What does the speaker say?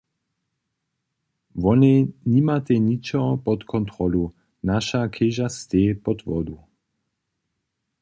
Wonej nimatej ničo pod kontrolu, naša chěža steji pod wodu.